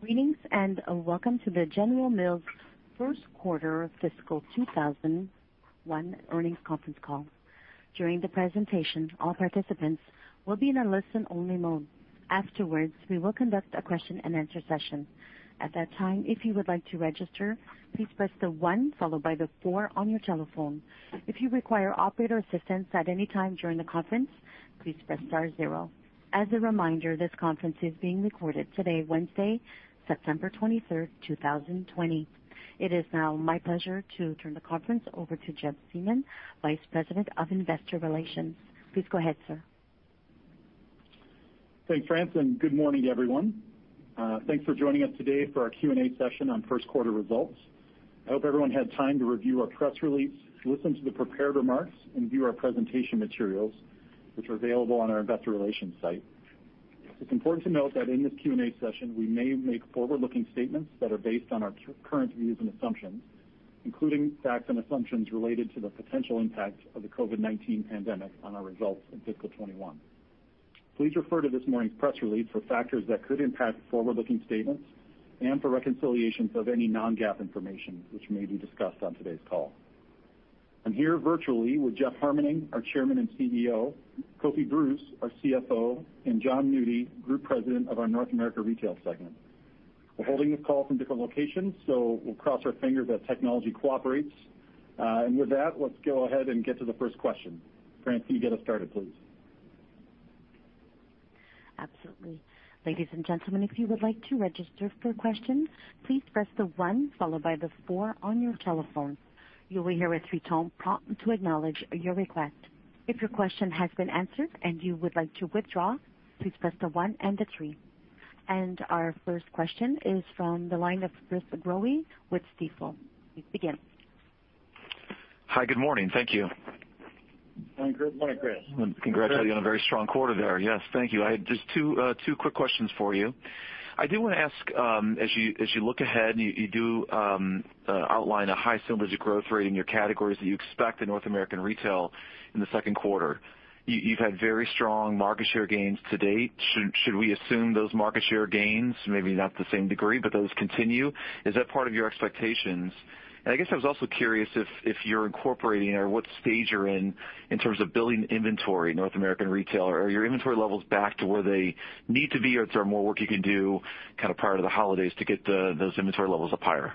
Greetings, and welcome to the General Mills first quarter fiscal 2021 earnings conference call. During the presentation, all participants will be in a listen-only mode. Afterwards, we will conduct a question-and-answer session. At that time, if you would like to register, please press the one followed by the four on your telephone. If you require operator assistance at any time during the conference, please press star zero. As a reminder, this conference is being recorded today, Wednesday, September 23rd, 2020. It is now my pleasure to turn the conference over to Jeff Siemon, Vice President of Investor Relations. Please go ahead, sir. Thanks, Fran, and good morning to everyone. Thanks for joining us today for our Q&A session on first quarter results. I hope everyone had time to review our press release, listen to the prepared remarks, and view our presentation materials, which are available on our investor relations site. It's important to note that in this Q&A session, we may make forward-looking statements that are based on our current views and assumptions, including facts and assumptions related to the potential impact of the COVID-19 pandemic on our results in fiscal 2021. Please refer to this morning's press release for factors that could impact forward-looking statements and for reconciliations of any non-GAAP information which may be discussed on today's call. I'm here virtually with Jeff Harmening, our Chairman and CEO, Kofi Bruce, our CFO, and Jon Nudi, Group President of our North America Retail segment. We're holding this call from different locations, so we'll cross our fingers that technology cooperates. With that, let's go ahead and get to the first question. Fran, can you get us started, please? Absolutely. Ladies and gentlemen, if you would like to register for questions, please press the one followed by the four on your telephone. You will hear a three-tone prompt to acknowledge your request. If your question has been answered and you would like to withdraw, please press the one and the three. Our first question is from the line of Chris Growe with Stifel. Please begin. Hi, good morning. Thank you. Good morning, Chris. Congrats on a very strong quarter there. Yes, thank you. I had just two quick questions for you. I do want to ask, as you look ahead and you do outline a high percentage growth rate in your categories that you expect in North America Retail in the second quarter, you've had very strong market share gains to date. Should we assume those market share gains, maybe not to the same degree, but those continue? Is that part of your expectations? I guess I was also curious if you're incorporating or what stage you're in terms of building inventory, North America Retail. Are your inventory levels back to where they need to be, or is there more work you can do prior to the holidays to get those inventory levels up higher?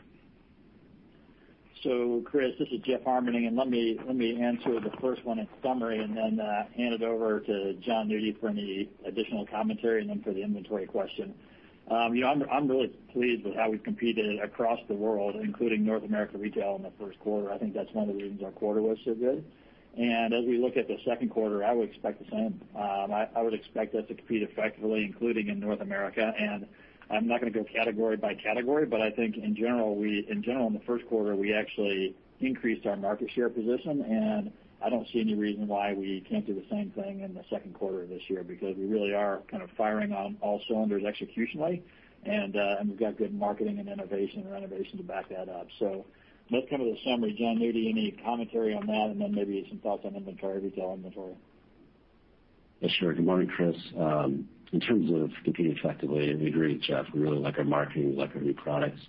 Chris, this is Jeff Harmening, and let me answer the first one in summary and then hand it over to Jon Nudi for any additional commentary and then for the inventory question. I'm really pleased with how we've competed across the world, including North America Retail in the first quarter. I think that's one of the reasons our quarter was so good. As we look at the second quarter, I would expect the same. I would expect us to compete effectively, including in North America, and I'm not going to go category by category, but I think in general, in the first quarter, we actually increased our market share position, and I don't see any reason why we can't do the same thing in the second quarter of this year, because we really are firing on all cylinders executionally, and we've got good marketing and innovation and renovation to back that up. That's the summary. Jon Nudi, any commentary on that, and then maybe some thoughts on inventory, retail inventory. Yes, sure. Good morning, Chris. In terms of competing effectively, I agree with Jeff. We really like our marketing, we like our new products.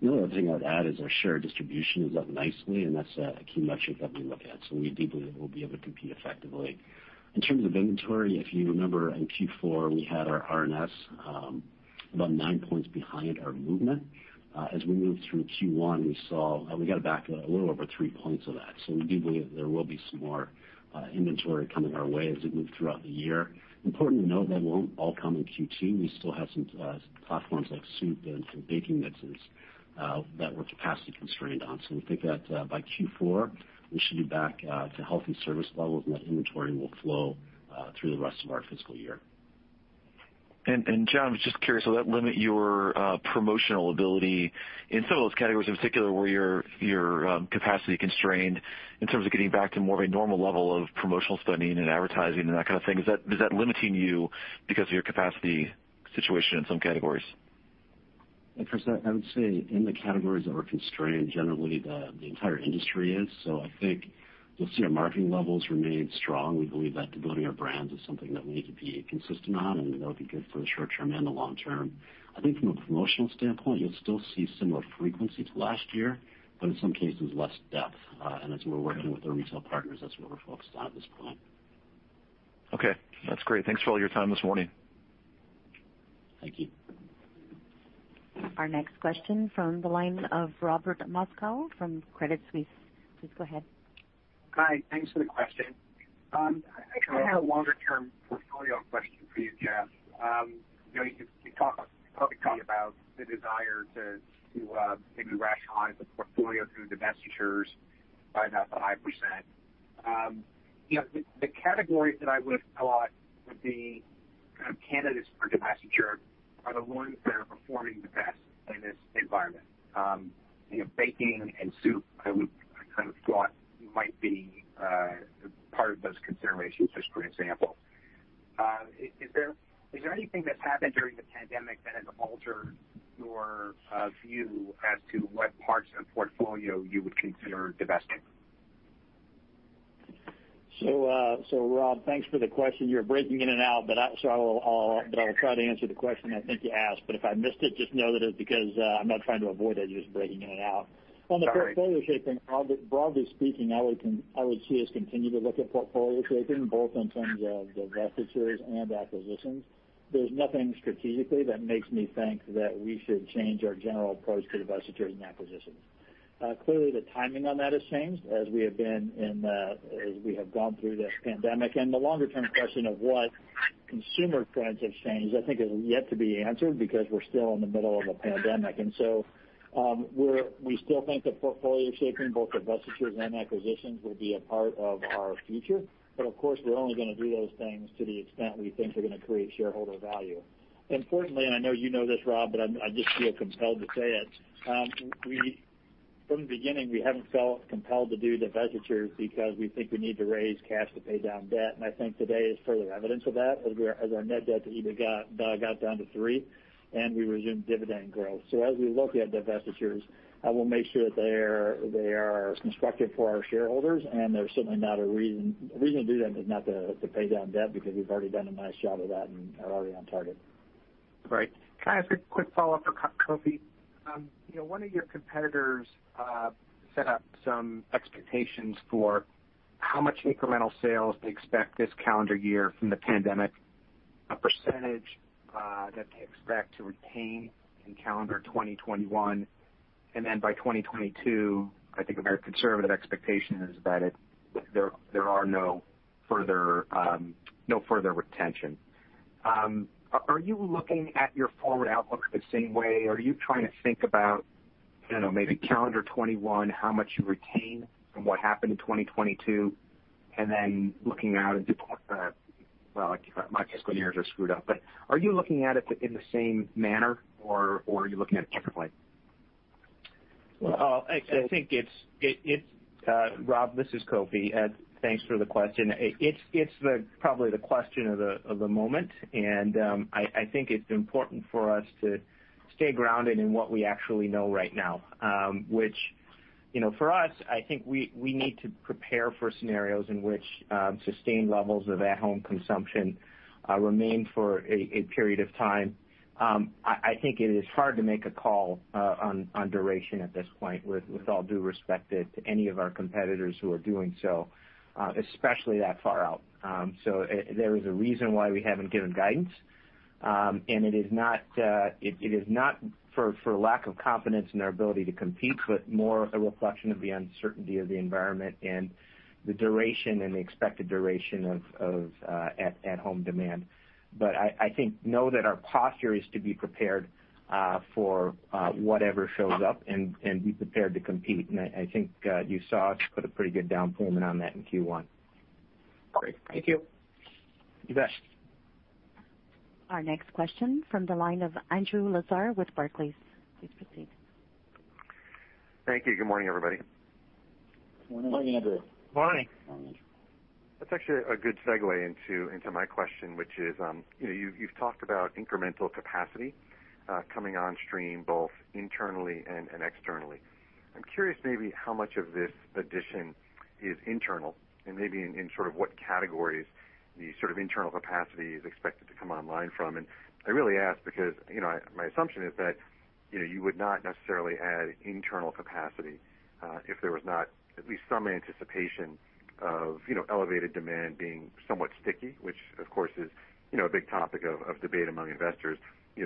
The only other thing I'd add is our share of distribution is up nicely, and that's a key metric that we look at. We do believe we'll be able to compete effectively. In terms of inventory, if you remember in Q4, we had our RNS about nine points behind our movement. As we moved through Q1, we got it back a little over three points of that. We do believe there will be some more inventory coming our way as we move throughout the year. Important to note, that won't all come in Q2. We still have some platforms like soup and some baking mixes that we're capacity constrained on. We think that by Q4, we should be back to healthy service levels, and that inventory will flow through the rest of our fiscal year. Jon, I was just curious, will that limit your promotional ability in some of those categories in particular where you're capacity constrained in terms of getting back to more of a normal level of promotional spending and advertising and that kind of thing? Is that limiting you because of your capacity situation in some categories? Chris, I would say in the categories that we're constrained, generally the entire industry is. I think you'll see our marketing levels remain strong. We believe that developing our brands is something that we need to be consistent on, and that'll be good for the short term and the long term. I think from a promotional standpoint, you'll still see similar frequency to last year, but in some cases, less depth. As we're working with our retail partners, that's where we're focused at this point. Okay. That's great. Thanks for all your time this morning. Thank you. Our next question from the line of Robert Moskow from Credit Suisse. Please go ahead. Hi. Thanks for the question. I have a longer-term portfolio question for you, Jeff. You publicly talk about the desire to maybe rationalize the portfolio through divestitures by about 5%. The categories that I would have thought would be candidates for divestiture are the ones that are performing the best in this environment. Baking and soup, I would have thought might be part of those considerations, just for example. Is there anything that's happened during the pandemic that has altered your view as to what parts of the portfolio you would consider divesting? Rob, thanks for the question. You're breaking in and out, but I will try to answer the question I think you asked, but if I missed it, just know that it's because I'm not trying to avoid it, you're just breaking in and out. Sorry. On the portfolio shaping, broadly speaking, I would see us continue to look at portfolio shaping both in terms of divestitures and acquisitions. There's nothing strategically that makes me think that we should change our general approach to divestitures and acquisitions. Clearly, the timing on that has changed as we have gone through this pandemic, and the longer-term question of what consumer trends have changed, I think, is yet to be answered because we're still in the middle of a pandemic. We still think that portfolio shaping, both divestitures and acquisitions, will be a part of our future. Of course, we're only going to do those things to the extent we think they're going to create shareholder value. Importantly, and I know you know this, Rob, but I just feel compelled to say it. From the beginning, we haven't felt compelled to do divestitures because we think we need to raise cash to pay down debt, and I think today is further evidence of that as our net debt-to EBITDA got down to 3x and we resumed dividend growth. As we look at divestitures, I will make sure that they are constructive for our shareholders and the reason to do them is not to pay down debt, because we've already done a nice job of that and are already on target. Great. Can I ask a quick follow-up for Kofi? One of your competitors set up some expectations for how much incremental sales they expect this calendar year from the pandemic, a percentage that they expect to retain in calendar 2021, and then by 2022, I think a very conservative expectation is that there are no further retention. Are you looking at your forward outlook the same way? Are you trying to think about, maybe calendar 2021, how much you retain from what happened in 2022? Well, my fiscal years are screwed up, but are you looking at it in the same manner or are you looking at it differently? Rob, this is Kofi. Thanks for the question. It's probably the question of the moment. I think it's important for us to stay grounded in what we actually know right now. Which, for us, I think we need to prepare for scenarios in which sustained levels of at-home consumption remain for a period of time. I think it is hard to make a call on duration at this point with all due respect to any of our competitors who are doing so, especially that far out. There is a reason why we haven't given guidance. It is not for lack of confidence in our ability to compete, but more a reflection of the uncertainty of the environment and the duration and the expected duration of at-home demand. I think, know that our posture is to be prepared for whatever shows up and be prepared to compete. I think you saw us put a pretty good down payment on that in Q1. Great. Thank you. You bet. Our next question from the line of Andrew Lazar with Barclays. Please proceed. Thank you. Good morning, everybody. Morning, Andrew. Morning. Morning. That's actually a good segue into my question, which is, you've talked about incremental capacity coming on stream both internally and externally. I'm curious maybe how much of this addition is internal and maybe in sort of what categories the sort of internal capacity is expected to come online from. I really ask because my assumption is that you would not necessarily add internal capacity if there was not at least some anticipation of elevated demand being somewhat sticky, which of course is a big topic of debate among investors.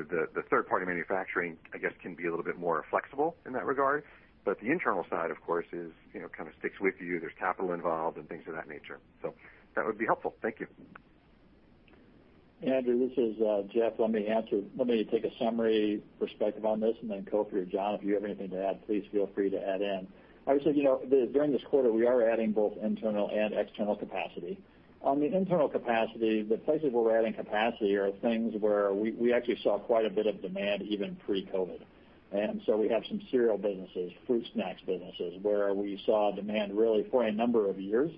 The third-party manufacturing, I guess, can be a little bit more flexible in that regard. The internal side, of course, kind of sticks with you. There's capital involved and things of that nature. That would be helpful. Thank you. Andrew, this is Jeff. Let me take a summary perspective on this Kofi or Jon, if you have anything to add, please feel free to add in. Obviously, during this quarter, we are adding both internal and external capacity. On the internal capacity, the places where we're adding capacity are things where we actually saw quite a bit of demand, even pre-COVID. We have some cereal businesses, fruit snacks businesses, where we saw demand really for a number of years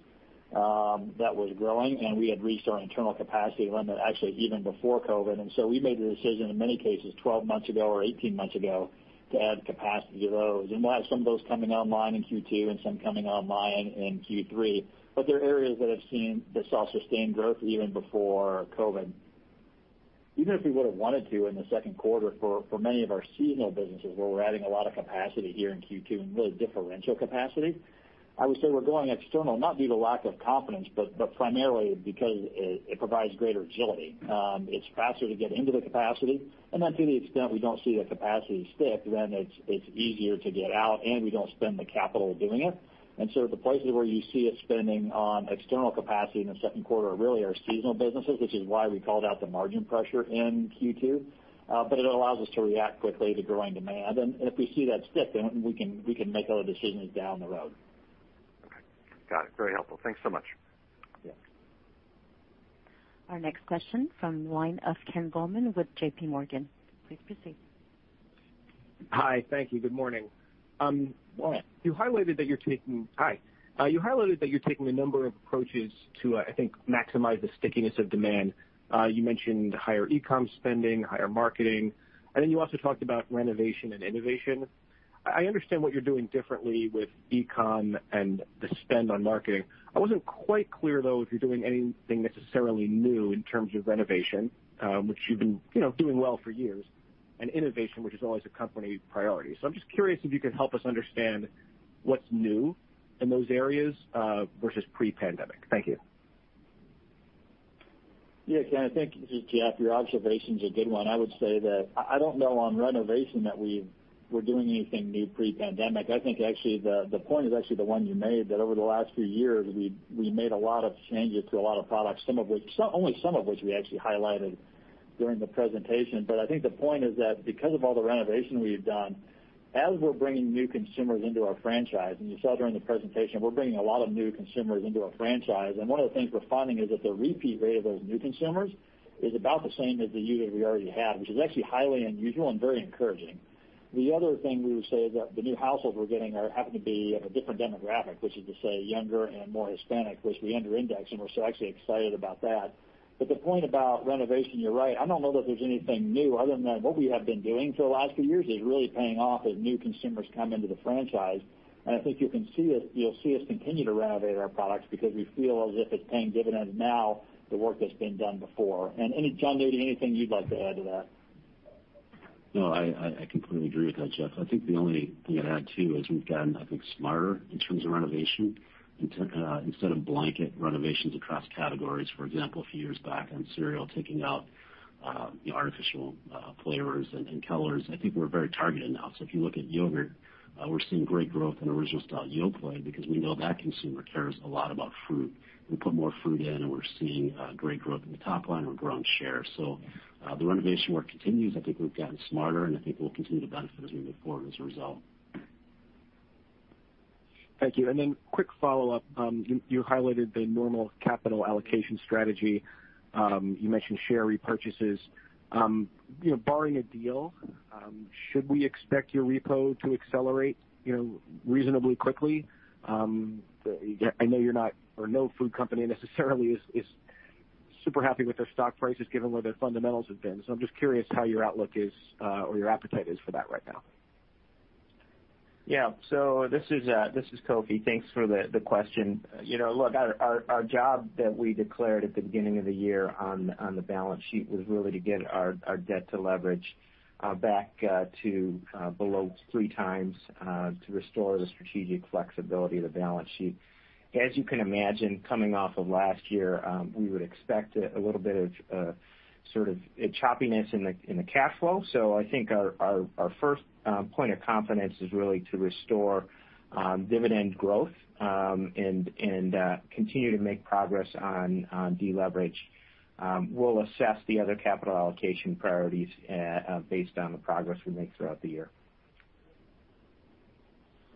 that was growing, and we had reached our internal capacity limit actually even before COVID. We made the decision in many cases 12 months ago or 18 months ago to add capacity to those. We'll have some of those coming online in Q2 and some coming online in Q3. They're areas that saw sustained growth even before COVID. Even if we would've wanted to in the second quarter for many of our seasonal businesses where we're adding a lot of capacity here in Q2 and really differential capacity, I would say we're going external, not due to lack of confidence, but primarily because it provides greater agility. It's faster to get into the capacity, and then to the extent we don't see the capacity stick, then it's easier to get out and we don't spend the capital doing it. The places where you see us spending on external capacity in the second quarter really are seasonal businesses, which is why we called out the margin pressure in Q2. It allows us to react quickly to growing demand. If we see that stick, then we can make other decisions down the road. Okay. Got it. Very helpful. Thanks so much. Yeah. Our next question from the line of Ken Goldman with J.P. Morgan. Please proceed. Hi. Thank you. Good morning. Morning. Hi. You highlighted that you're taking a number of approaches to, I think, maximize the stickiness of demand. You mentioned higher e-com spending, higher marketing, and then you also talked about renovation and innovation. I understand what you're doing differently with e-com and the spend on marketing. I wasn't quite clear, though, if you're doing anything necessarily new in terms of renovation, which you've been doing well for years, and innovation, which is always a company priority. I'm just curious if you could help us understand what's new in those areas, versus pre-pandemic. Thank you. Yeah, Ken, I think, Jeff, your observation's a good one. I would say that I don't know on renovation that we were doing anything new pre-pandemic. I think actually the point is actually the one you made, that over the last few years, we made a lot of changes to a lot of products, only some of which we actually highlighted during the presentation. I think the point is that because of all the renovation we've done, as we're bringing new consumers into our franchise, and you saw during the presentation, we're bringing a lot of new consumers into our franchise. One of the things we're finding is that the repeat rate of those new consumers is about the same as the users we already had, which is actually highly unusual and very encouraging. The other thing we would say is that the new households we're getting happen to be of a different demographic, which is to say younger and more Hispanic, which we under-index, and we're so actually excited about that. The point about renovation, you're right. I don't know that there's anything new other than that what we have been doing for the last few years is really paying off as new consumers come into the franchise. I think you'll see us continue to renovate our products because we feel as if it's paying dividends now, the work that's been done before. Any, Jon Nudi, anything you'd like to add to that? No, I completely agree with that, Jeff. I think the only thing I'd add, too, is we've gotten, I think, smarter in terms of renovation. Instead of blanket renovations across categories, for example, a few years back on cereal, taking out the artificial flavors and colors, I think we're very targeted now. If you look at yogurt, we're seeing great growth in Original Style Yoplait because we know that consumer cares a lot about fruit. We put more fruit in, and we're seeing great growth in the top line and we're growing share. The renovation work continues. I think we've gotten smarter, and I think we'll continue to benefit as we move forward as a result. Thank you. Then quick follow-up. You highlighted the normal capital allocation strategy. You mentioned share repurchases. Barring a deal, should we expect your repo to accelerate reasonably quickly? No food company necessarily is super happy with their stock prices given where their fundamentals have been. I'm just curious how your outlook is or your appetite is for that right now. Yeah. This is Kofi. Thanks for the question. Look, our job that we declared at the beginning of the year on the balance sheet was really to get our debt to leverage back to below 3x, to restore the strategic flexibility of the balance sheet. As you can imagine, coming off of last year, we would expect a little bit of sort of a choppiness in the cash flow. I think our first point of confidence is really to restore dividend growth, and continue to make progress on deleverage. We'll assess the other capital allocation priorities based on the progress we make throughout the year.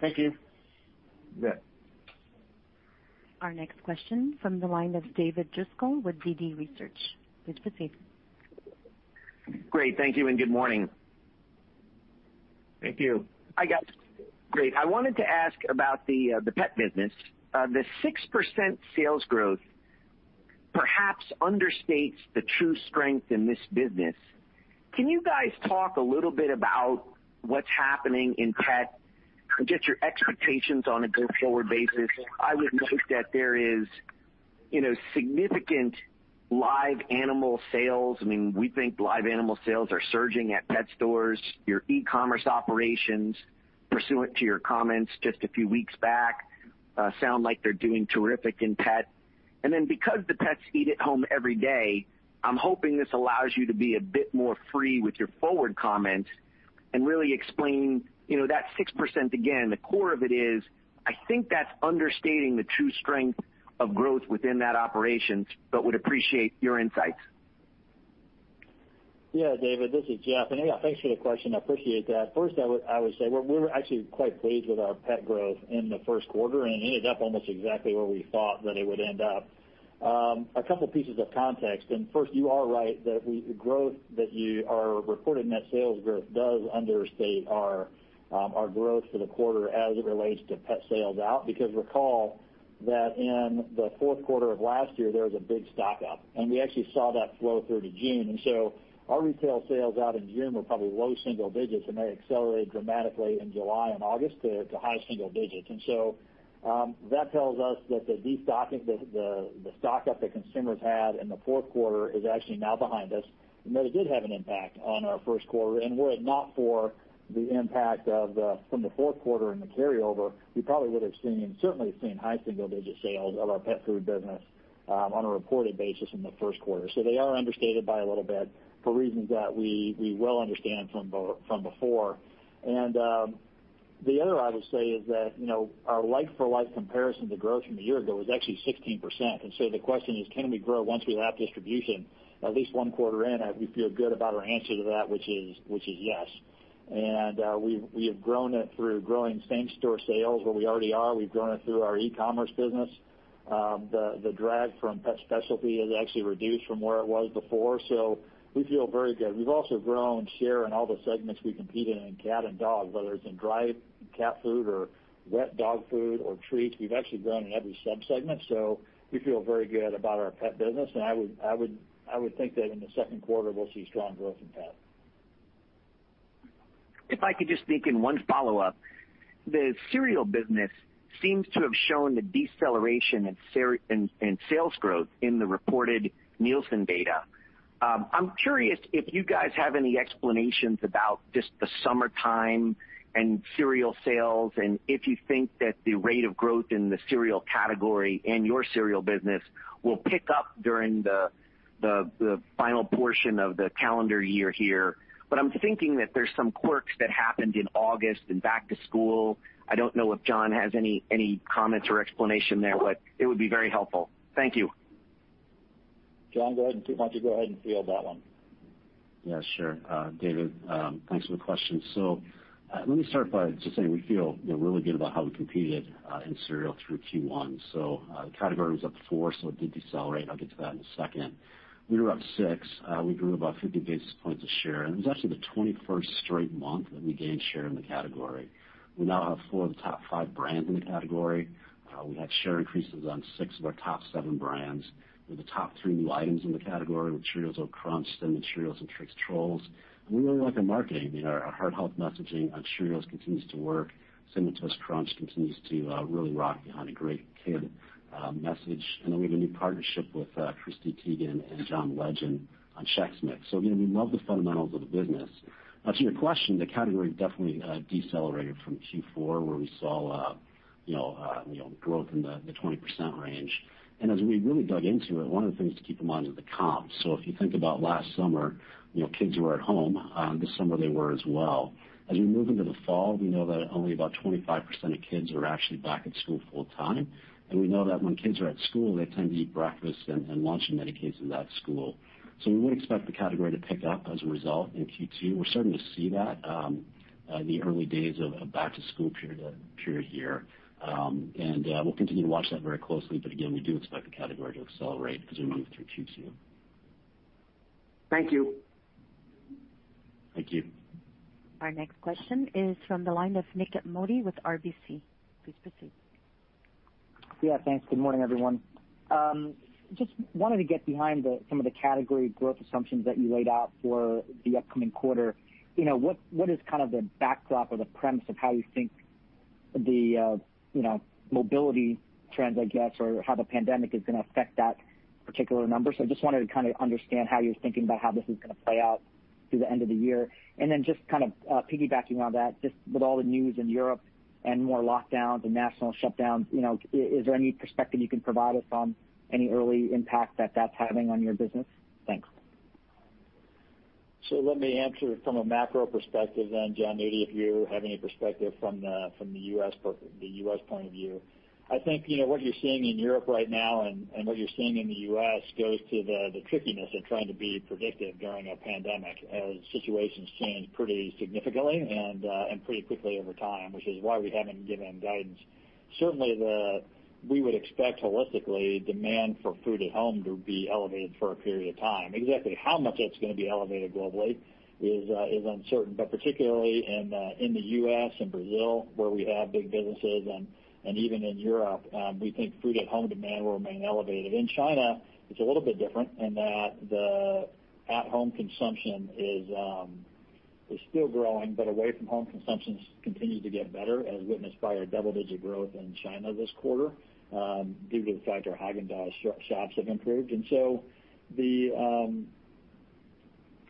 Thank you. Yeah. Our next question from the line of David Driscoll with DD Research. Please proceed. Great. Thank you and good morning. Thank you. Great. I wanted to ask about the pet business. The 6% sales growth perhaps understates the true strength in this business. Can you guys talk a little bit about what's happening in pet and get your expectations on a go forward basis? I would note that there is significant live animal sales. We think live animal sales are surging at pet stores. Your e-commerce operations, pursuant to your comments just a few weeks back, sound like they're doing terrific in pet. Because the pets eat at home every day, I'm hoping this allows you to be a bit more free with your forward comment and really explain that 6% again. The core of it is, I think that's understating the true strength of growth within that operation, but would appreciate your insights. Yeah, David, this is Jeff. Yeah, thanks for the question. I appreciate that. First, I would say we're actually quite pleased with our pet growth in the first quarter, and it ended up almost exactly where we thought that it would end up. A couple pieces of context. First, you are right that our reported net sales growth does understate our growth for the quarter as it relates to pet sales out. Recall that in the fourth quarter of last year, there was a big stock up, and we actually saw that flow through to June. So our retail sales out in June were probably low single digits, and they accelerated dramatically in July and August to high single digits. That tells us that the stock up that consumers had in the fourth quarter is actually now behind us and that it did have an impact on our first quarter and were it not for the impact from the fourth quarter and the carryover, we probably would have certainly seen high-single-digit sales of our pet food business on a reported basis in the first quarter. They are understated by a little bit for reasons that we well understand from before. The other I would say is that our like-for-like comparison to growth from a year ago is actually 16%. The question is, can we grow once we have distribution at least one quarter in? We feel good about our answer to that, which is yes. We have grown it through growing same store sales where we already are. We've grown it through our e-commerce business. The drag from pet specialty has actually reduced from where it was before. We feel very good. We've also grown share in all the segments we compete in cat and dog, whether it's in dry cat food or wet dog food or treats. We've actually grown in every sub-segment. We feel very good about our pet business, and I would think that in the second quarter, we'll see strong growth in pet. If I could just sneak in one follow-up. The cereal business seems to have shown a deceleration in sales growth in the reported Nielsen data. I'm curious if you guys have any explanations about just the summertime and cereal sales, and if you think that the rate of growth in the cereal category and your cereal business will pick up during the final portion of the calendar year here. I'm thinking that there's some quirks that happened in August and back to school. I don't know if Jon has any comments or explanation there, but it would be very helpful. Thank you. Jon, go ahead, and why don't you go ahead and field that one? Yeah, sure. David, thanks for the question. Let me start by just saying we feel really good about how we competed in cereal through Q1. The category was up 4%, so it did decelerate, and I'll get to that in a second. We were up 6%. We grew about 50 basis points of share, and it was actually the 21st straight month that we gained share in the category. We now have four of the top five brands in the category. We had share increases on six of our top seven brands. We have the top three new items in the category with Cheerios Oat Crunch, Cinnamon Cheerios, and Trix Trolls. We really like our marketing. Our heart health messaging on Cheerios continues to work. Cinnamon Toast Crunch continues to really rock behind a great kid message. We have a new partnership with Chrissy Teigen and John Legend on Chex Mix. Again, we love the fundamentals of the business. To your question, the category definitely decelerated from Q4, where we saw growth in the 20% range. As we really dug into it, one of the things to keep in mind is the comps. If you think about last summer, kids were at home. This summer, they were as well. As we move into the fall, we know that only about 25% of kids are actually back at school full time, and we know that when kids are at school, they tend to eat breakfast and lunch in many cases at school. We would expect the category to pick up as a result in Q2. We're starting to see that in the early days of back-to-school period here. We'll continue to watch that very closely, but again, we do expect the category to accelerate as we move through Q2. Thank you. Thank you. Our next question is from the line of Nik Modi with RBC. Please proceed. Yeah, thanks. Good morning, everyone. Just wanted to get behind some of the category growth assumptions that you laid out for the upcoming quarter. What is the backdrop or the premise of how you think the mobility trends, I guess, or how the pandemic is going to affect that particular number? I just wanted to understand how you're thinking about how this is going to play out through the end of the year. Just piggybacking on that, just with all the news in Europe and more lockdowns and national shutdowns, is there any perspective you can provide us on any early impact that that's having on your business? Thanks. Let me answer from a macro perspective then, Jon Nudi, if you have any perspective from the U.S. point of view. I think what you're seeing in Europe right now and what you're seeing in the U.S. goes to the trickiness of trying to be predictive during a pandemic as situations change pretty significantly and pretty quickly over time, which is why we haven't given guidance. Certainly, we would expect holistically demand for food at home to be elevated for a period of time. Exactly how much that's going to be elevated globally is uncertain, but particularly in the U.S. and Brazil, where we have big businesses and even in Europe, we think food at home demand will remain elevated. In China, it's a little bit different in that the at-home consumption is still growing, but away from home consumption continues to get better as witnessed by our double-digit growth in China this quarter due to the fact our Häagen-Dazs shops have improved.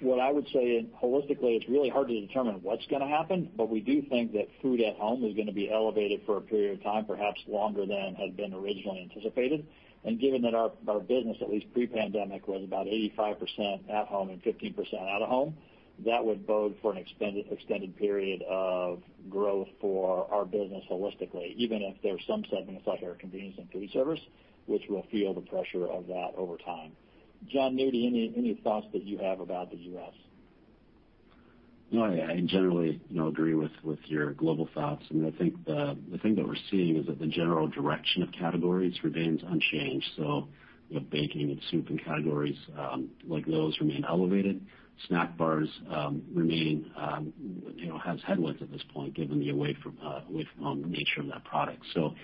What I would say holistically, it's really hard to determine what's going to happen, but we do think that food at home is going to be elevated for a period of time, perhaps longer than had been originally anticipated. Given that our business, at least pre-pandemic, was about 85% at home and 15% out-of-home, that would bode for an extended period of growth for our business holistically, even if there are some segments like our convenience and food service, which will feel the pressure of that over time. Jon Nudi, any thoughts that you have about the U.S.? I generally agree with your global thoughts, and I think the thing that we're seeing is that the general direction of categories remains unchanged. Baking and soup and categories like those remain elevated. Snack bars has headwinds at this point, given the away from home nature of that product. While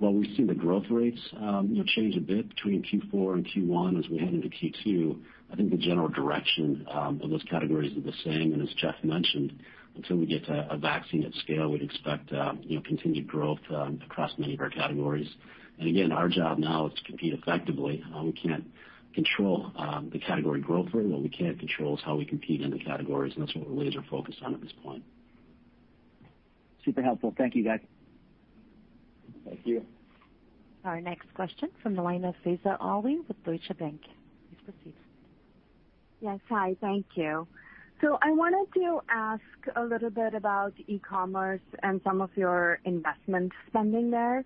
we see the growth rates change a bit between Q4 and Q1 as we head into Q2, I think the general direction of those categories is the same, and as Jeff mentioned, until we get to a vaccine at scale, we'd expect continued growth across many of our categories. Again, our job now is to compete effectively. We can't control the category growth rate. What we can control is how we compete in the categories, and that's what we're laser focused on at this point. Super helpful. Thank you, guys. Thank you. Our next question from the line of Faiza Alwy with Deutsche Bank. Please proceed. Yes. Hi, thank you. I wanted to ask a little bit about e-commerce and some of your investment spending there.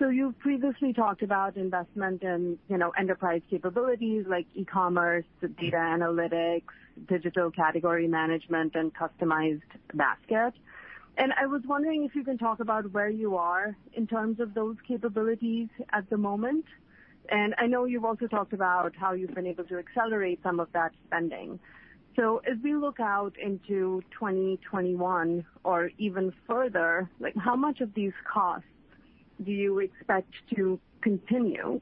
You've previously talked about investment in enterprise capabilities like e-commerce, data analytics, digital category management, and customized basket. I was wondering if you can talk about where you are in terms of those capabilities at the moment. I know you've also talked about how you've been able to accelerate some of that spending. As we look out into 2021 or even further, how much of these costs do you expect to continue?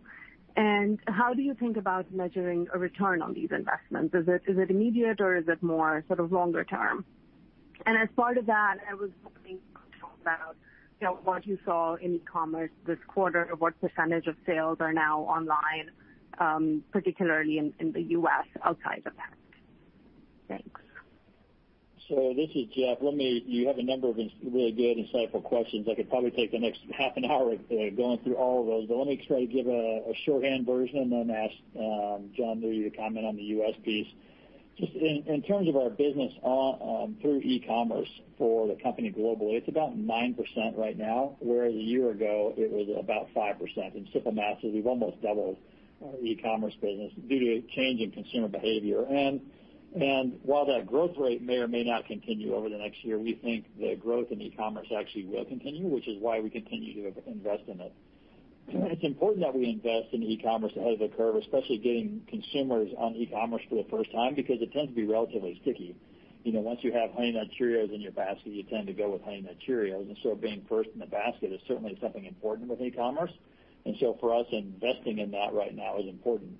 How do you think about measuring a return on these investments? Is it immediate or is it more longer-term? As part of that, I was wondering about what you saw in e-commerce this quarter, what percentage of sales are now online, particularly in the U.S. outside of that? Thanks. This is Jeff. You have a number of really good insightful questions. I could probably take the next half an hour going through all of those, but let me try to give a shorthand version and then ask Jon Nudi to comment on the U.S. piece. In terms of our business through e-commerce for the company globally, it's about 9% right now, whereas a year ago it was about 5%. In simple math, we've almost doubled our e-commerce business due to a change in consumer behavior. While that growth rate may or may not continue over the next year, we think the growth in e-commerce actually will continue, which is why we continue to invest in it. It's important that we invest in e-commerce ahead of the curve, especially getting consumers on e-commerce for the first time, because it tends to be relatively sticky. Once you have Honey Nut Cheerios in your basket, you tend to go with Honey Nut Cheerios. Being first in the basket is certainly something important with e-commerce. For us, investing in that right now is important.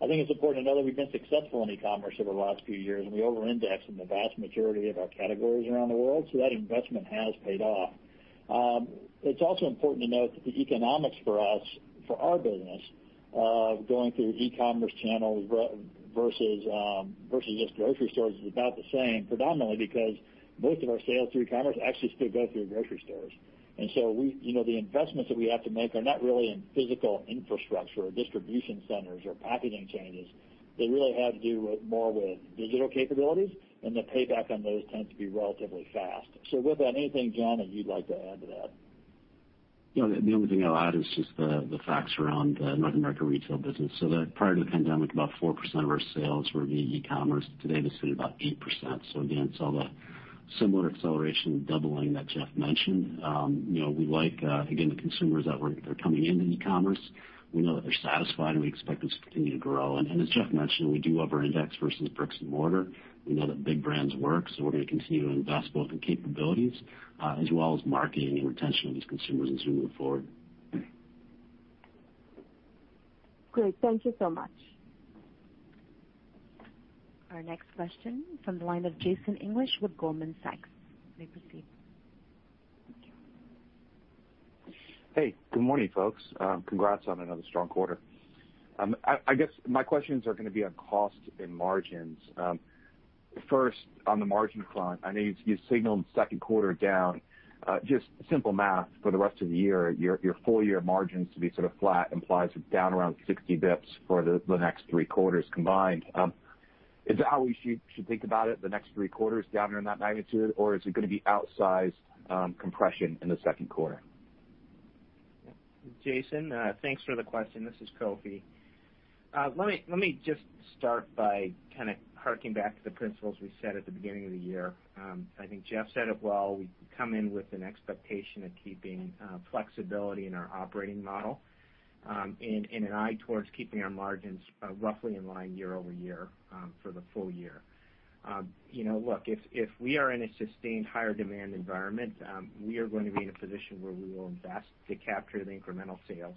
I think it's important to know that we've been successful in e-commerce over the last few years, and we over-index in the vast majority of our categories around the world, so that investment has paid off. It's also important to note that the economics for us, for our business, of going through e-commerce channels versus just grocery stores is about the same, predominantly because most of our sales through e-commerce actually still go through grocery stores. The investments that we have to make are not really in physical infrastructure or distribution centers or packaging changes. They really have to do more with digital capabilities, and the payback on those tends to be relatively fast. With that, anything, Jon, that you'd like to add to that? The only thing I'll add is just the facts around the North America Retail business. That prior to the pandemic, about 4% of our sales were via e-commerce. Today, this is about 8%. Again, similar acceleration doubling that Jeff mentioned. We like, again, the consumers that they're coming into e-commerce. We know that they're satisfied, and we expect this to continue to grow. As Jeff mentioned, we do over-index versus bricks and mortar. We know that big brands work, so we're going to continue to invest both in capabilities as well as marketing and retention of these consumers as we move forward. Great. Thank you so much. Our next question from the line of Jason English with Goldman Sachs. You may proceed. Thank you. Hey, good morning, folks. Congrats on another strong quarter. I guess my questions are going to be on cost and margins. First, on the margin front, I know you signaled second quarter down. Just simple math for the rest of the year, your full-year margins to be flat implies down around 60 basis points for the next three quarters combined. Is that how we should think about it, the next three quarters down around that magnitude, or is it going to be outsized compression in the second quarter? Jason, thanks for the question. This is Kofi. Let me just start by kind of harking back to the principles we set at the beginning of the year. I think Jeff said it well. We come in with an expectation of keeping flexibility in our operating model, and an eye towards keeping our margins roughly in line year-over-year for the full year. Look, if we are in a sustained higher demand environment, we are going to be in a position where we will invest to capture the incremental sales.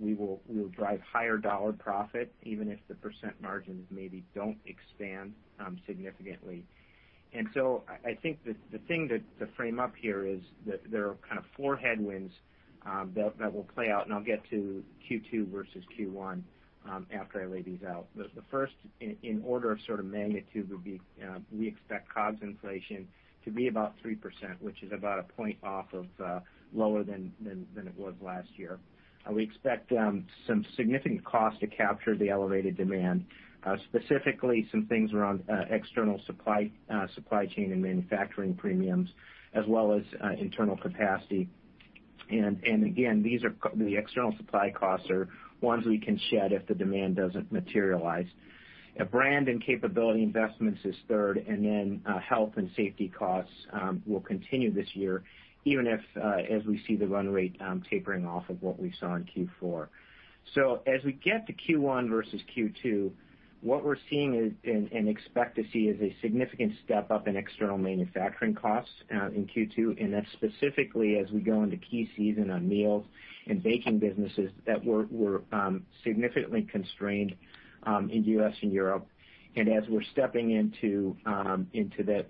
We will drive higher dollar profit, even if the % margins maybe don't expand significantly. I think that the thing to frame up here is that there are four headwinds that will play out, and I'll get to Q2 versus Q1 after I lay these out. The first in order of magnitude would be we expect COGS inflation to be about 3%, which is about a point off of lower than it was last year. We expect some significant cost to capture the elevated demand, specifically some things around external supply chain and manufacturing premiums, as well as internal capacity. Again, the external supply costs are ones we can shed if the demand doesn't materialize. Brand and capability investments is third, and then health and safety costs will continue this year, even if as we see the run rate tapering off of what we saw in Q4. As we get to Q1 versus Q2, what we're seeing and expect to see is a significant step up in external manufacturing costs in Q2, and that's specifically as we go into key season on meals and baking businesses that were significantly constrained in U.S. and Europe. As we're stepping into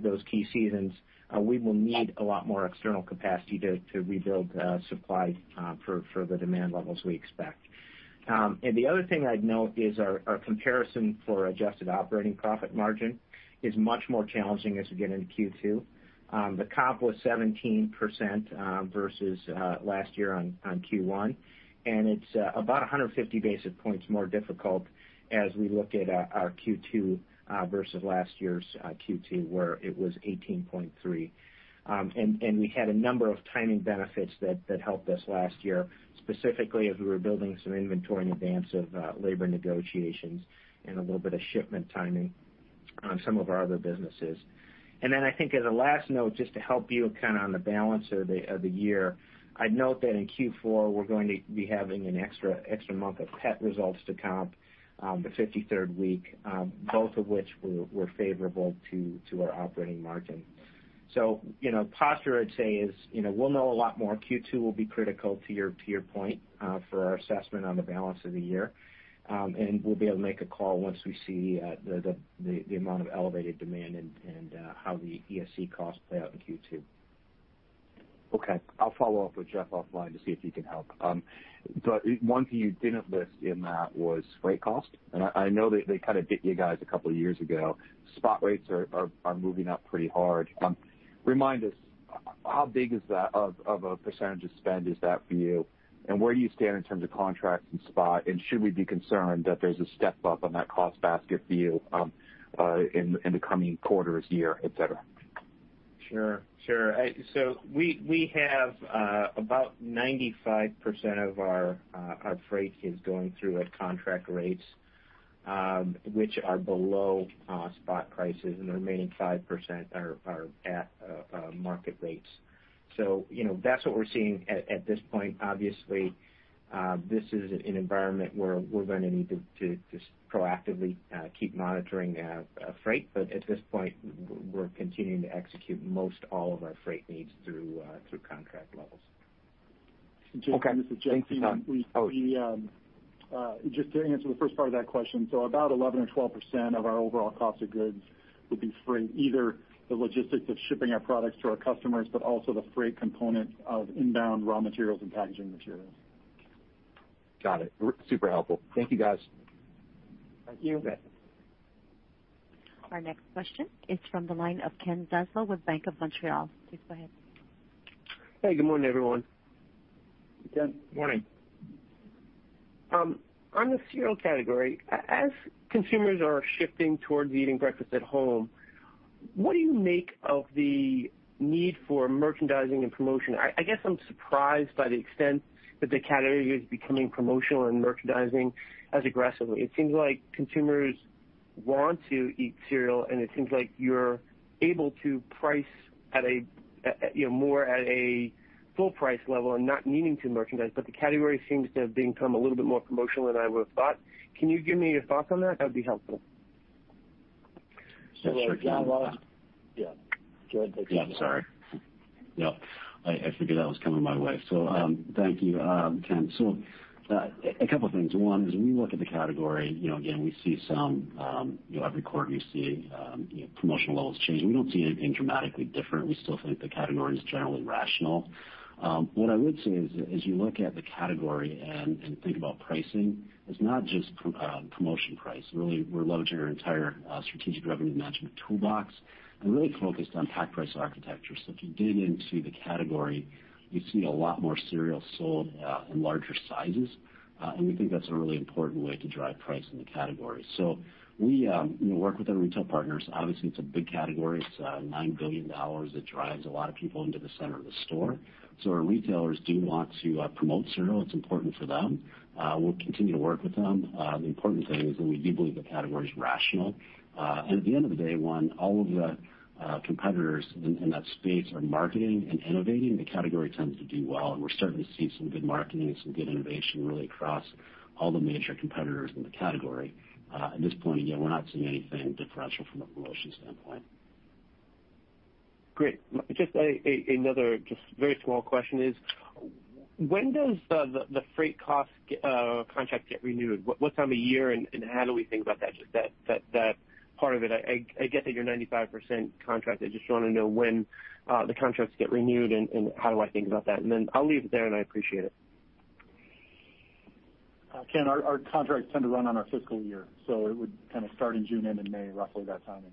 those key seasons, we will need a lot more external capacity to rebuild supply for the demand levels we expect. The other thing I'd note is our comparison for adjusted operating profit margin is much more challenging as we get into Q2. The comp was 17% versus last year on Q1, and it's about 150 basis points more difficult as we look at our Q2 versus last year's Q2, where it was 18.3%. We had a number of timing benefits that helped us last year, specifically as we were building some inventory in advance of labor negotiations and a little bit of shipment timing on some of our other businesses. I think as a last note, just to help you on the balance of the year, I'd note that in Q4, we're going to be having an extra month of pet results to comp, the 53rd week, both of which were favorable to our operating margin. Posture I'd say is, we'll know a lot more. Q2 will be critical to your point for our assessment on the balance of the year. We'll be able to make a call once we see the amount of elevated demand and how the ESC costs play out in Q2. Okay. I'll follow up with Jeff offline to see if he can help. One thing you didn't list in that was freight cost, and I know that they kind of bit you guys a couple of years ago. Spot rates are moving up pretty hard. Remind us, how big of a % of spend is that for you, and where do you stand in terms of contract and spot, and should we be concerned that there's a step up on that cost basket for you in the coming quarters, year, et cetera? Sure. We have about 95% of our freight is going through at contract rates, which are below spot prices, and the remaining 5% are at market rates. That's what we're seeing at this point. Obviously, this is an environment where we're going to need to just proactively keep monitoring freight. At this point, we're continuing to execute most all of our freight needs through contract levels. Okay. Thanks, Tom. This is Jeff. Just to answer the first part of that question, about 11% or 12% of our overall cost of goods would be freight, either the logistics of shipping our products to our customers, but also the freight component of inbound raw materials and packaging materials. Got it. Super helpful. Thank you, guys. Thank you. You bet. Our next question is from the line of Kenneth Zaslow with Bank of Montreal. Please go ahead. Hey, good morning, everyone. Ken. Morning. On the cereal category, as consumers are shifting towards eating breakfast at home, what do you make of the need for merchandising and promotion? I guess I'm surprised by the extent that the category is becoming promotional and merchandising as aggressively. It seems like consumers want to eat cereal, and it seems like you're able to price more at a full price level and not needing to merchandise, but the category seems to have become a little bit more promotional than I would've thought. Can you give me your thoughts on that? That would be helpful. Sure. Yeah. Go ahead, take it. Yeah, sorry. No, I figured that was coming my way. Thank you, Ken. A couple of things. One is we look at the category, again, every quarter you see promotional levels changing. We don't see it dramatically different. We still think the category is generally rational. What I would say is, as you look at the category and think about pricing, it's not just promotion price. Really, we're leveraging our entire strategic revenue management toolbox and really focused on price pack architecture. If you dig into the category, you see a lot more cereal sold in larger sizes. We think that's a really important way to drive price in the category. We work with our retail partners. Obviously, it's a big category. It's $9 billion. It drives a lot of people into the center of the store. Our retailers do want to promote cereal. It's important for them. We'll continue to work with them. The important thing is that we do believe the category is rational. At the end of the day, when all of the competitors in that space are marketing and innovating, the category tends to do well, and we're starting to see some good marketing and some good innovation really across all the major competitors in the category. At this point, again, we're not seeing anything differential from a promotion standpoint. Great. Just another very small question is, when does the freight cost contract get renewed? What time of year and how do we think about that part of it? I get that you're 95% contracted. Just want to know when the contracts get renewed and how do I think about that. I'll leave it there, and I appreciate it. Ken, our contracts tend to run on our fiscal year, so it would kind of start in June, end in May, roughly that timing.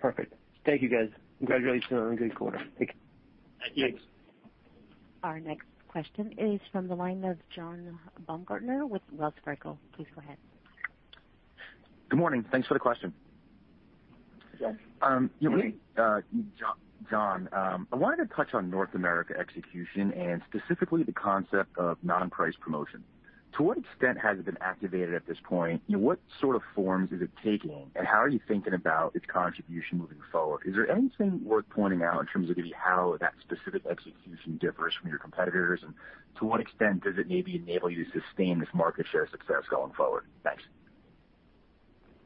Perfect. Thank you, guys. Congratulations on a good quarter. Thank you. Thanks. Our next question is from the line of John Baumgartner with Wells Fargo. Please go ahead. Good morning. Thanks for the question. Jeff. Yeah. Jon. I wanted to touch on North America execution and specifically the concept of non-price promotion. To what extent has it been activated at this point? What sort of forms is it taking, and how are you thinking about its contribution moving forward? Is there anything worth pointing out in terms of maybe how that specific execution differs from your competitors, and to what extent does it maybe enable you to sustain this market share success going forward? Thanks. Thanks,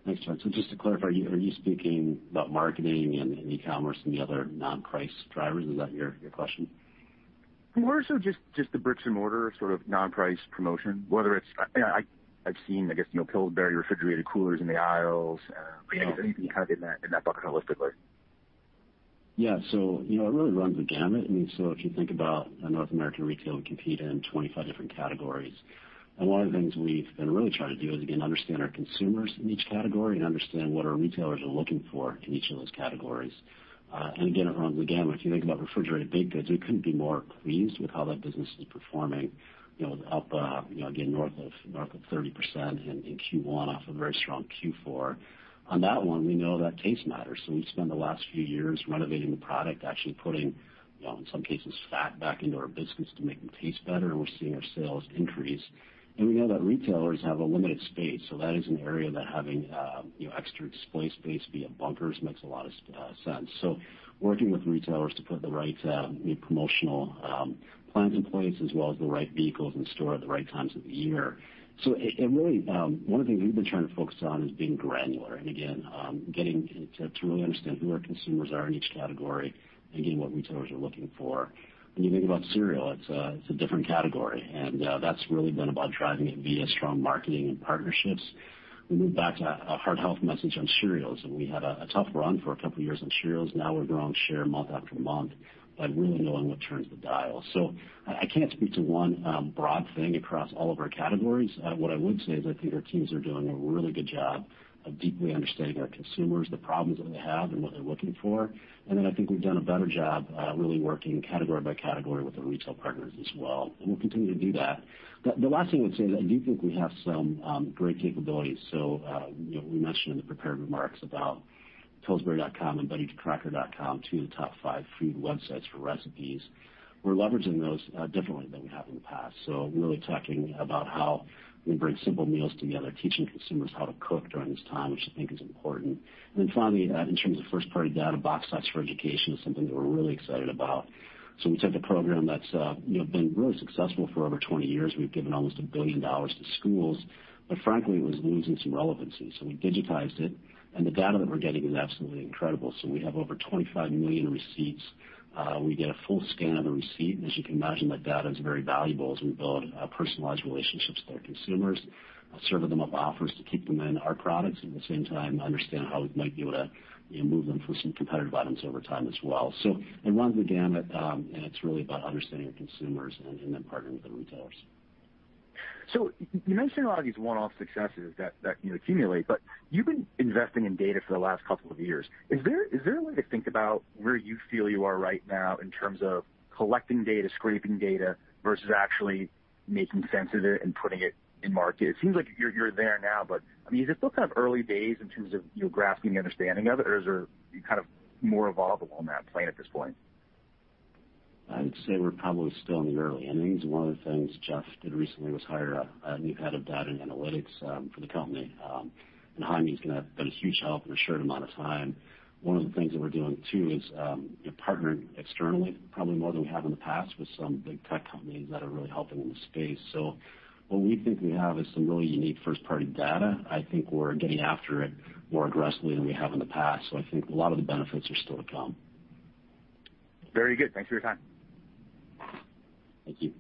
John. Just to clarify, are you speaking about marketing and e-commerce and the other non-price drivers? Is that your question? More so just the bricks and mortar sort of non-price promotion, whether it's I've seen, I guess, Pillsbury refrigerated coolers in the aisles. Anything kind of in that bucket holistically. It really runs the gamut. If you think about North America Retail, we compete in 25 different categories. One of the things we've been really trying to do is, again, understand our consumers in each category and understand what our retailers are looking for in each of those categories. Again, it runs the gamut. If you think about refrigerated baked goods, we couldn't be more pleased with how that business is performing. It was up, again, north of 30% in Q1 off a very strong Q4. On that one, we know that taste matters. We've spent the last few years renovating the product, actually putting, in some cases, fat back into our biscuits to make them taste better, and we're seeing our sales increase. We know that retailers have a limited space, so that is an area that having extra display space via bunkers makes a lot of sense. Working with retailers to put the right promotional plans in place as well as the right vehicles in store at the right times of the year. Really, one of the things we've been trying to focus on is being granular and again, getting to really understand who our consumers are in each category and again, what retailers are looking for. When you think about cereal, it's a different category, and that's really been about driving it via strong marketing and partnerships. We moved back to a heart health message on cereals, and we had a tough run for a couple of years on cereals. Now we're growing share month after month by really knowing what turns the dial. I can't speak to one broad thing across all of our categories. What I would say is I think our teams are doing a really good job of deeply understanding our consumers, the problems that they have, and what they're looking for. I think we've done a better job really working category by category with our retail partners as well. We'll continue to do that. The last thing I would say is I do think we have some great capabilities. We mentioned in the prepared remarks about pillsbury.com and bettycrocker.com, two of the top five food websites for recipes. We're leveraging those differently than we have in the past. Really talking about how we bring simple meals together, teaching consumers how to cook during this time, which I think is important. Finally, in terms of first-party data, Box Tops for Education is something that we're really excited about. We took the program that's been really successful for over 20 years. We've given almost $1 billion to schools, but frankly, it was losing some relevancy. We digitized it, and the data that we're getting is absolutely incredible. We have over 25 million receipts. We get a full scan of the receipt, and as you can imagine, that data is very valuable as we build personalized relationships with our consumers, serving them up offers to keep them in our products, and at the same time, understand how we might be able to move them to some competitive items over time as well. It runs the gamut, and it's really about understanding our consumers and then partnering with the retailers. You mentioned a lot of these one-off successes that accumulate, but you've been investing in data for the last couple of years. Is there a way to think about where you feel you are right now in terms of collecting data, scraping data, versus actually making sense of it and putting it in market? It seems like you're there now, but is it still kind of early days in terms of grasping the understanding of it, or are you more evolvable in that plane at this point? I would say we're probably still in the early innings. One of the things Jeff did recently was hire a new head of data and analytics for the company. Jaime's been a huge help in a short amount of time. One of the things that we're doing, too, is partnering externally, probably more than we have in the past, with some big tech companies that are really helping in the space. What we think we have is some really unique first-party data. I think we're getting after it more aggressively than we have in the past. I think a lot of the benefits are still to come. Very good. Thanks for your time. Thank you.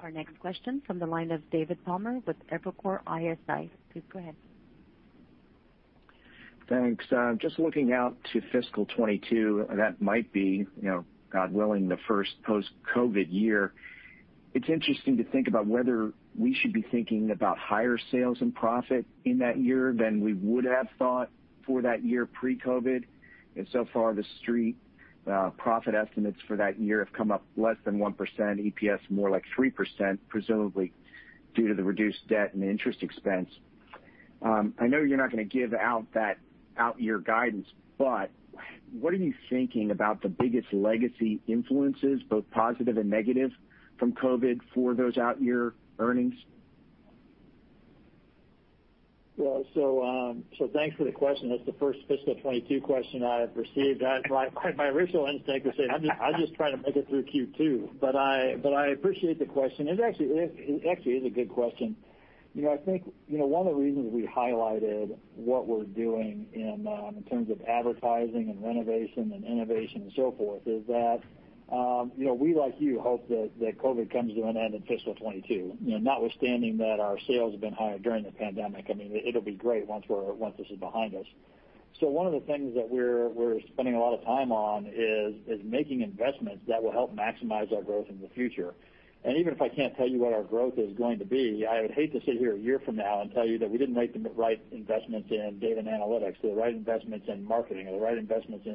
Our next question from the line of David Palmer with Evercore ISI. Please go ahead. Thanks. Just looking out to fiscal 2022, that might be, God willing, the first post-COVID year. It's interesting to think about whether we should be thinking about higher sales and profit in that year than we would have thought for that year pre-COVID. So far, the Street profit estimates for that year have come up less than 1%, EPS more like 3%, presumably due to the reduced debt and interest expense. I know you're not going to give out that out-year guidance, but what are you thinking about the biggest legacy influences, both positive and negative, from COVID for those out-year earnings? Well, thanks for the question. That's the first fiscal 2022 question I have received. My original instinct was saying, "I'm just trying to make it through Q2." I appreciate the question. It actually is a good question. I think one of the reasons we highlighted what we're doing in terms of advertising and renovation and innovation and so forth is that we, like you, hope that COVID comes to an end in fiscal 2022. Notwithstanding that our sales have been higher during the pandemic, it'll be great once this is behind us. One of the things that we're spending a lot of time on is making investments that will help maximize our growth in the future. Even if I can't tell you what our growth is going to be, I would hate to sit here a year from now and tell you that we didn't make the right investments in data and analytics or the right investments in marketing or the right investments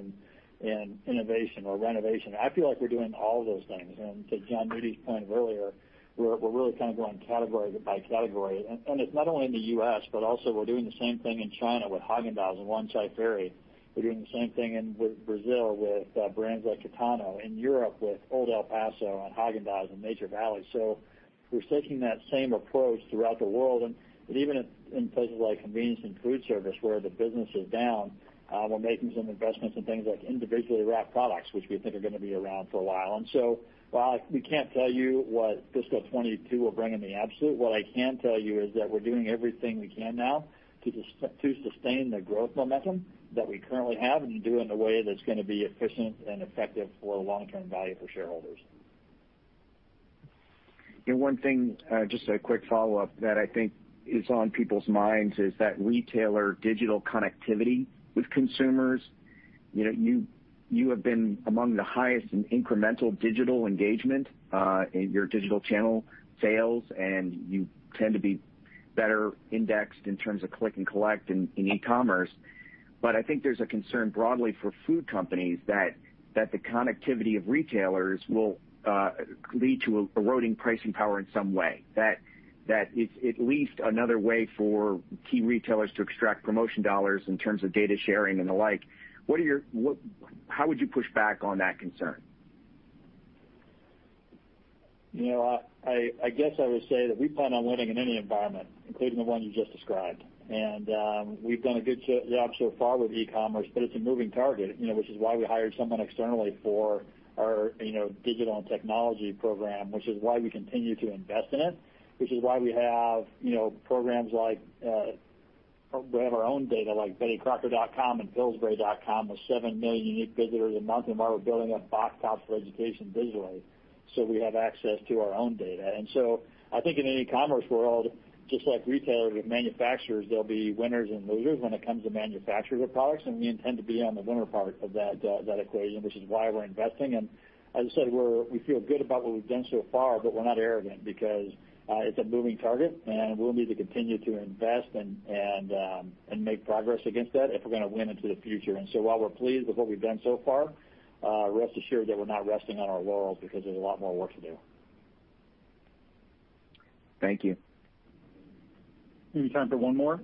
in innovation or renovation. I feel like we're doing all of those things. To Jon Nudi's point earlier, we're really going category by category. It's not only in the U.S., but also we're doing the same thing in China with Häagen-Dazs and Wanchai Ferry. We're doing the same thing in Brazil with brands like Kitano, in Europe with Old El Paso and Häagen-Dazs and Nature Valley. We're taking that same approach throughout the world. Even in places like convenience and food service where the business is down, we're making some investments in things like individually wrapped products, which we think are going to be around for a while. While we can't tell you what fiscal 2022 will bring in the absolute, what I can tell you is that we're doing everything we can now to sustain the growth momentum that we currently have and to do it in a way that's going to be efficient and effective for long-term value for shareholders. One thing, just a quick follow-up that I think is on people's minds is that retailer digital connectivity with consumers. You have been among the highest in incremental digital engagement in your digital channel sales, and you tend to be better indexed in terms of click and collect in e-commerce. I think there's a concern broadly for food companies that the connectivity of retailers will lead to eroding pricing power in some way, that it's at least another way for key retailers to extract promotion dollars in terms of data sharing and the like. How would you push back on that concern? I guess I would say that we plan on winning in any environment, including the one you just described. We've done a good job so far with e-commerce, but it's a moving target, which is why we hired someone externally for our digital and technology program, which is why we continue to invest in it, which is why we have our own data like bettycrocker.com and pillsbury.com with seven million unique visitors a month and why we're building up Box Tops for Education digitally, so we have access to our own data. I think in any commerce world, just like retailers with manufacturers, there'll be winners and losers when it comes to manufacturer products, and we intend to be on the winner part of that equation, which is why we're investing. As I said, we feel good about what we've done so far, but we're not arrogant because it's a moving target, and we'll need to continue to invest and make progress against that if we're going to win into the future. While we're pleased with what we've done so far, rest assured that we're not resting on our laurels because there's a lot more work to do. Thank you. Maybe time for one more.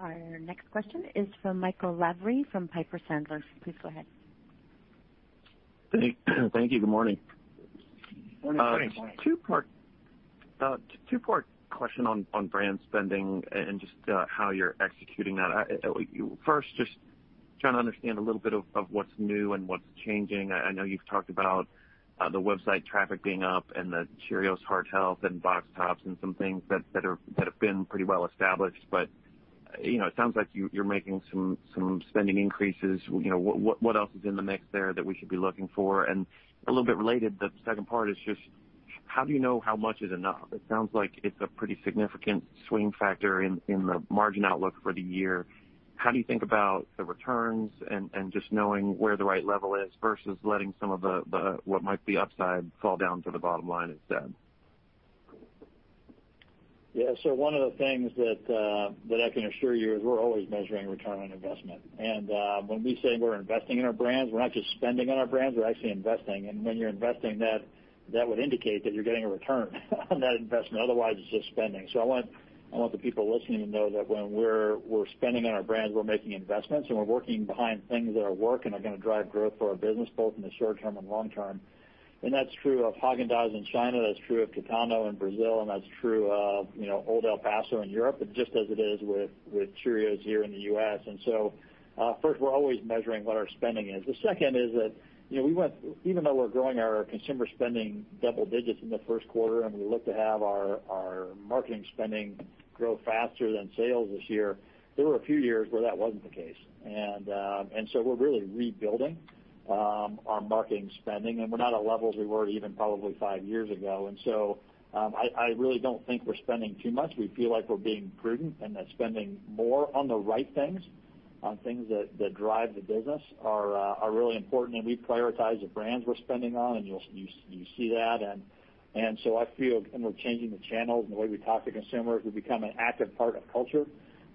Our next question is from Michael Lavery from Piper Sandler. Please go ahead. Thank you. Good morning. Good morning. Two-part question on brand spending and just how you're executing that. First, just trying to understand a little bit of what's new and what's changing. I know you've talked about the website traffic being up and the Cheerios Heart Health and Box Tops and some things that have been pretty well established, but it sounds like you're making some spending increases. What else is in the mix there that we should be looking for? A little bit related, the second part is just how do you know how much is enough? It sounds like it's a pretty significant swing factor in the margin outlook for the year. How do you think about the returns and just knowing where the right level is versus letting some of the, what might be upside, fall down to the bottom line instead? Yeah. One of the things that I can assure you is we're always measuring return on investment. When we say we're investing in our brands, we're not just spending on our brands, we're actually investing. When you're investing, that would indicate that you're getting a return on that investment. Otherwise, it's just spending. I want the people listening to know that when we're spending on our brands, we're making investments, and we're working behind things that are working, are going to drive growth for our business, both in the short term and long term. That's true of Häagen-Dazs in China, that's true of Kitano in Brazil, and that's true of Old El Paso in Europe, just as it is with Cheerios here in the U.S. First, we're always measuring what our spending is. The second is that even though we're growing our consumer spending double-digits in the first quarter, and we look to have our marketing spending grow faster than sales this year, there were a few years where that wasn't the case. We're really rebuilding our marketing spending, and we're not at levels we were even probably five years ago. I really don't think we're spending too much. We feel like we're being prudent and that spending more on the right things, on things that drive the business are really important, and we prioritize the brands we're spending on, and you see that. We're changing the channels and the way we talk to consumers, we become an active part of culture.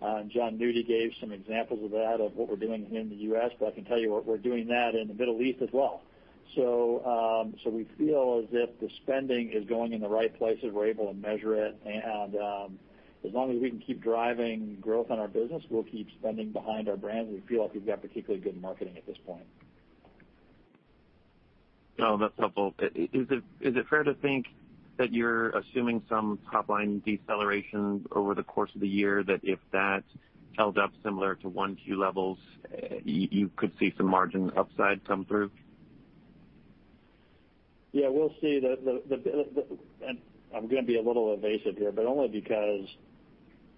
Jon Nudi gave some examples of that, of what we're doing here in the U.S., but I can tell you we're doing that in the Middle East as well. We feel as if the spending is going in the right places. We're able to measure it, and as long as we can keep driving growth on our business, we'll keep spending behind our brands. We feel like we've got particularly good marketing at this point. That's helpful. Is it fair to think that you're assuming some top-line deceleration over the course of the year, that if that held up similar to 1Q levels, you could see some margin upside come through? Yeah, we'll see. I'm going to be a little evasive here, but only because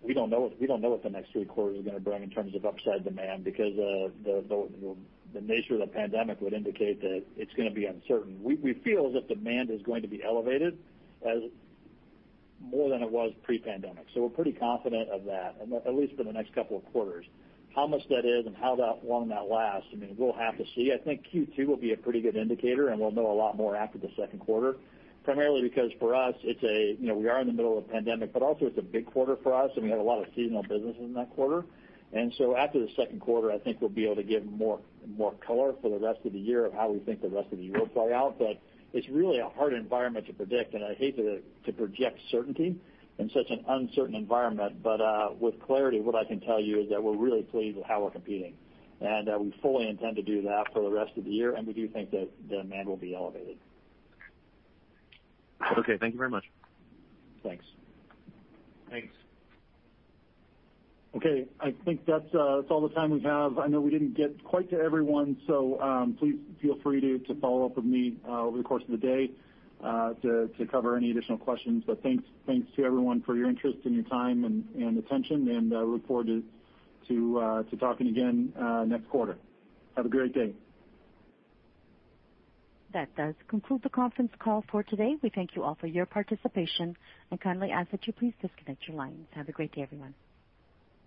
we don't know what the next three quarters are going to bring in terms of upside demand, because the nature of the pandemic would indicate that it's going to be uncertain. We feel that demand is going to be elevated more than it was pre-pandemic, so we're pretty confident of that, at least for the next couple of quarters. How much that is and how long that lasts, we'll have to see. I think Q2 will be a pretty good indicator, and we'll know a lot more after the second quarter, primarily because for us, we are in the middle of a pandemic, but also it's a big quarter for us, and we have a lot of seasonal business in that quarter. After the second quarter, I think we'll be able to give more color for the rest of the year of how we think the rest of the year will play out. It's really a hard environment to predict, and I hate to project certainty in such an uncertain environment. With clarity, what I can tell you is that we're really pleased with how we're competing, and we fully intend to do that for the rest of the year and we do think that demand will be elevated. Okay. Thank you very much. Thanks. Thanks. Okay, I think that's all the time we have. I know we didn't get quite to everyone, so please feel free to follow up with me over the course of the day to cover any additional questions. Thanks to everyone for your interest and your time and attention, and I look forward to talking again next quarter. Have a great day. That does conclude the conference call for today. We thank you all for your participation and kindly ask that you please disconnect your lines. Have a great day, everyone.